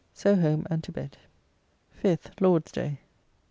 So home and to bed. 5th (Lord's day).